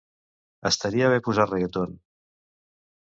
Estaria bé posar reggaeton.